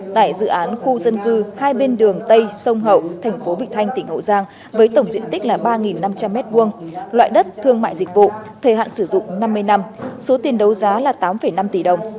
tại dự án khu dân cư hai bên đường tây sông hậu thành phố bị thanh tỉnh hậu giang với tổng diện tích là ba năm trăm linh m hai loại đất thương mại dịch vụ thời hạn sử dụng năm mươi năm số tiền đấu giá là tám năm tỷ đồng